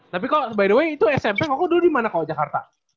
tapi kok btw itu smp kok lu dimana kok jakarta